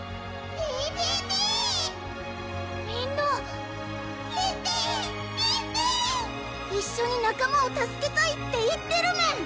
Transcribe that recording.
みんなピッピーピッピー一緒に仲間を助けたいって言ってるメン！